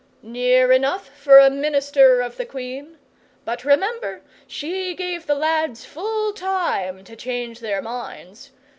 'Near enough for a Minister of the Queen. But remember she gave the lads full time to change their minds.